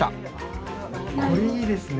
これいいですね。